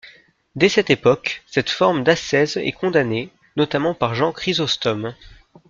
Dès cette époque, cette forme d'ascèse est condamnée, notamment par Jean Chrysostome.